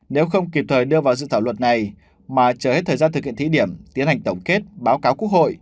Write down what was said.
nếu không kịp thời đưa vào dự thảo luật này mà chớ thời gian thực hiện thí điểm tiến hành tổng kết báo cáo quốc hội